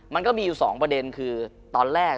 มันก็มีอยู่๒ประเด็นคือตอนแรก